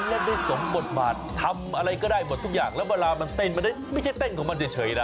เล่นด้วยสมบทบาททำอะไรก็ได้หมดทุกอย่างแล้วเวลามันเต้นมันไม่ใช่เต้นของมันเฉยนะ